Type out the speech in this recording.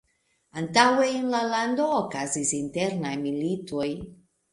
Antaŭe en la lando okazis internaj militoj.